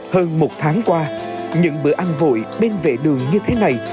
hơn một tháng qua những bữa ăn vội bên vệ đường như thế này